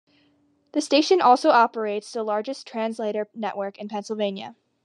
The station also operates the largest translator network in Pennsylvania.